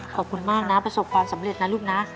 ขอบคุณมากนะประสบความสำเร็จนะลูกนะ